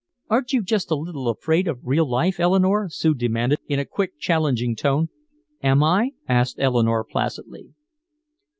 "Aren't you just a little afraid of real life, Eleanore?" Sue demanded, in a quick challenging tone. "Am I?" asked Eleanore placidly.